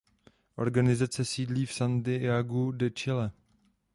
Organizace sídlí v Santiagu de Chile.